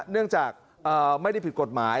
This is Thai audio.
เนื่องจากไม่ได้ผิดกฎหมาย